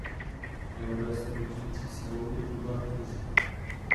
Euro je stabilizující silou i v dobách krize.